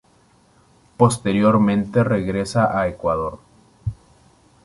Posteriormente regresa a Ecuador.